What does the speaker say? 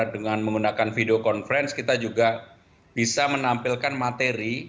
dengan menggunakan video conference kita juga bisa menampilkan materi